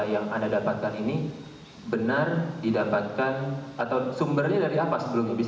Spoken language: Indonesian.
yang anda dapatkan ini benar didapatkan atau sumbernya dari apa sebelumnya bisa